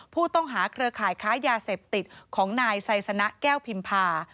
เครือข่ายค้ายาเสพติดของนายไซสนะแก้วพิมพา